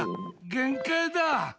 限界だ。